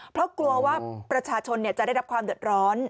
เพราะกลัวว่าประชาชนจะได้รับความเดือดร้อน